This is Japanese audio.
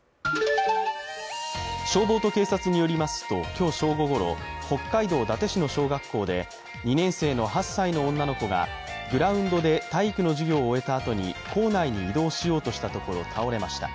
消防と警察によりますと今日正午ごろ、北海道伊達市の小学校で２年生の８歳の女の子が、グラウンドで体育の授業を終えたあとに校内に移動しようとしたところ、倒れました。